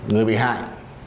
người bị hại